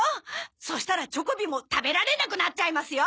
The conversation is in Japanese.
そしたらチョコビも食べられなくなっちゃいますよ！？